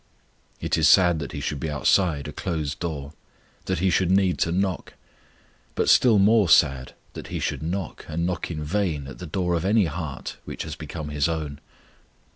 It is sad that He should be outside a closed door that He should need to knock; but still more sad that He should knock, and knock in vain at the door of any heart which has become His own.